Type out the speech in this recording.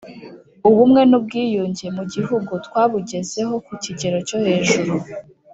ubumwe n ubwiyunge mu Gihugu twabugezeho kukigero cyo hejuru